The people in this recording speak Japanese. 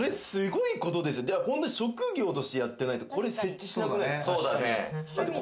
職業としてやってないと、これ設置しなくないですか？